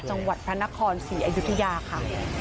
จังหวัดพระนครศรีอยุธยาค่ะ